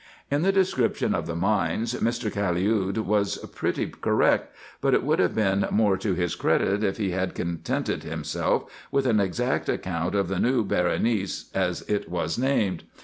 In the description of the mines Mr. Caliud was pretty correct, but it would have been more to his credit, if he had contented himself with an exact account of the new Berenice, as it was named.